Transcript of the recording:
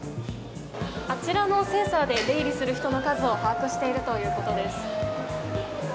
あちらのセンサーで出入りする人の数を把握しているということです。